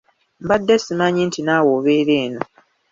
Mbadde simanyi nti naawe obeera eno.